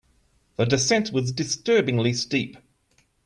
The descent was disturbingly steep.